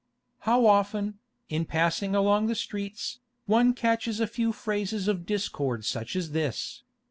How often, in passing along the streets, one catches a few phrases of discord such as this!